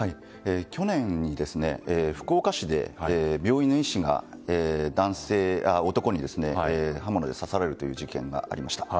去年に福岡市で病院の医師が男に刃物に刺されるという事件がありました。